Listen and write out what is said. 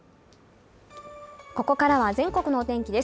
ここからは全国のお天気です